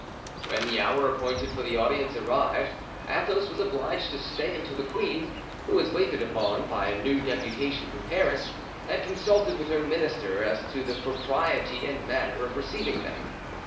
When the hour appointed for the audience arrived Athos was obliged to stay until the queen, who was waited upon by a new deputation from Paris, had consulted with her minister as to the propriety and manner of receiving them.